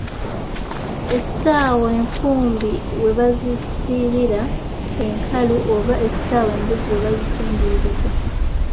Esaawa enkumbi we bazisibira enkalu oba essaawa embuzi we bazisimbuliriza.”